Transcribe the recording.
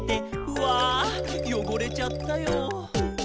「うぁよごれちゃったよ」